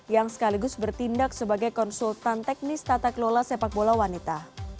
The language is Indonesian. yang sekaligus bertindak sebagai konsultan teknis tata kelola sepak bola wanita